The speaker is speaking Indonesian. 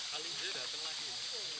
hal ini tidak terlaku